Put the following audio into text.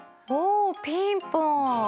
おピンポン！